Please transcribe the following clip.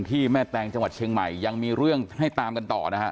แม่แตงจังหวัดเชียงใหม่ยังมีเรื่องให้ตามกันต่อนะฮะ